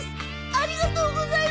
ありがとうございます。